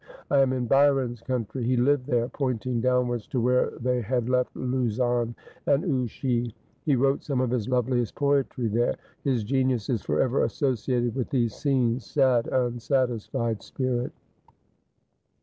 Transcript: I am in Byron's country. He lived there,' pointing downwards to where they had left Lausanne and Ouchy. ' He wrote some of his loveliest poetry there ; his genius is for ever associated with these scenes. Sad, unsatisfied spirit